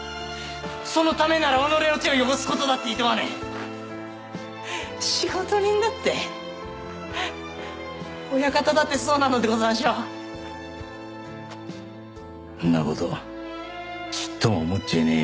そのためなら己の手を汚すことだっていとわねぇ仕事人だって親方だってそうなのでござんしょう？んなことちっとも思っちゃいねぇよ